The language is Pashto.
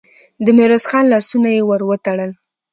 د ميرويس خان لاسونه يې ور وتړل.